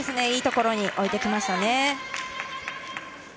いいところに置いてきましたね。